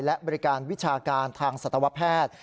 และบริการวิชาการทางสัตวแพทย์